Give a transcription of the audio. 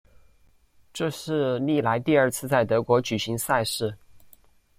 这是历来第二次在德国举行赛事。